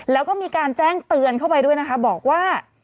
แล้วก็มีการแจ้งเตือนเข้าไปด้วยนะคะบอกว่า